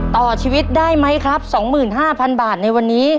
ต่อชีวิตได้ไหมครับ๒๕๐๐๐บาทในวันนี้